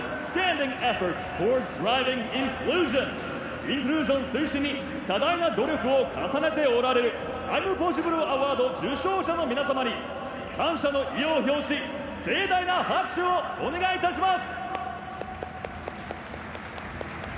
インクルージョン推進に多大な努力を重ねておられるアイムポッシブル・アワード受賞者の皆様に感謝の意を表し盛大な拍手をお願いいたします！